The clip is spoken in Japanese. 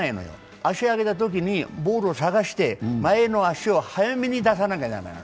足上げたときにボールを探して前の足を早めに出さなきゃ駄目なの。